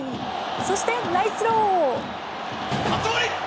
そして、ナイススロー。